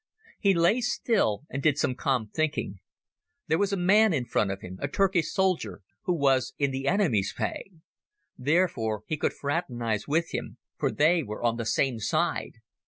He lay still and did some calm thinking. There was a man in front of him, a Turkish soldier, who was in the enemy's pay. Therefore he could fraternize with him, for they were on the same side.